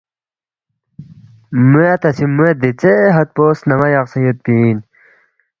موے اتا سی موے دیژے حد پو سنان٘ا یقسے یودپی اِن